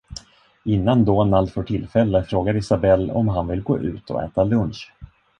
Innan Donald får tillfälle frågar Isabelle om han vill gå ut och äta lunch.